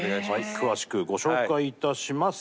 詳しくご紹介いたします。